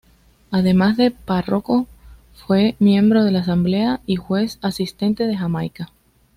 Además de párroco fue miembro de la Asamblea y Juez Asistente de Jamaica.